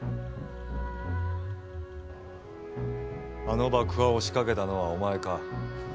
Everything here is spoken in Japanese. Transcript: あの爆破を仕掛けたのはお前か？